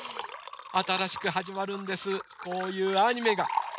あたらしくはじまるんですこういうアニメが。